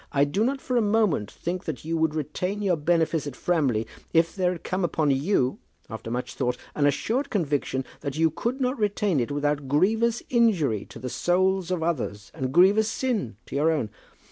I do not for a moment think that you would retain your benefice at Framley if there had come upon you, after much thought, an assured conviction that you could not retain it without grievous injury to the souls of others and grievous sin to your own.